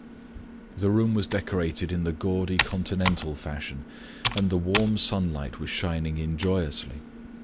The room was decorated in the gaudy continental fashion, and the warm sunlight was shining in joyously.